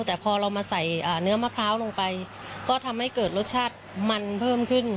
แต่พอเรามาใส่เนื้อมะพร้าวลงไปก็ทำให้เกิดรสชาติมันเพิ่มขึ้น